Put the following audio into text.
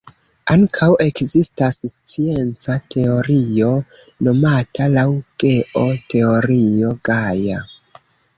Ankaŭ ekzistas scienca teorio nomata laŭ Geo, Teorio Gaja.